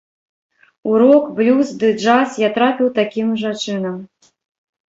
У рок, блюз ды джаз я трапіў такім жа чынам.